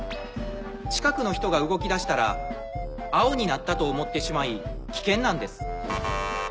近くの人が動きだしたら青になったと思ってしまい危険なんです。